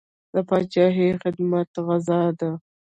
د پاچاهۍ خدمت غزا ده.